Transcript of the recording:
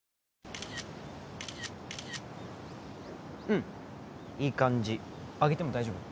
うんいい感じあげても大丈夫？